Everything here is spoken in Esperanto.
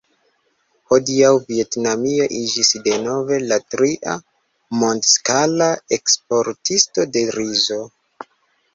Hodiaŭ Vjetnamio iĝis denove la tria mondskala eksportisto de rizo.